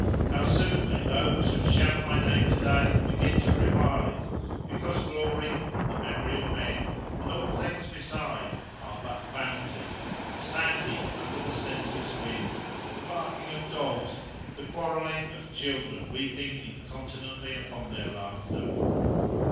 How soon may those who shout my name to day begin to revile it, because glory, and the memory of men, and all things beside, are but vanity—a sand heap under the senseless wind, the barking of dogs, the quarrelling of children, weeping incontinently upon their laughter.